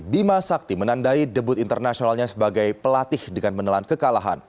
bima sakti menandai debut internasionalnya sebagai pelatih dengan menelan kekalahan